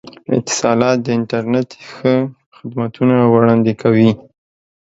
اتصالات د انترنت ښه خدمتونه وړاندې کوي.